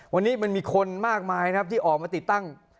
วันนี้มันมีคนมากมายนะครับที่ออกมาติดตั้ง